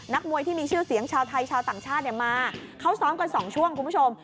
มวยที่มีชื่อเสียงชาวไทยชาวต่างชาติมาเขาซ้อมกันสองช่วงคุณผู้ชม